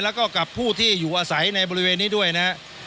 แล้วก็กับผู้ที่อยู่อาศัยในบริเวณนี้ด้วยนะครับ